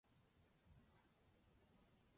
出身于山形县上山市。